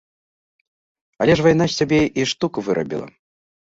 Але ж вайна з цябе і штуку вырабіла!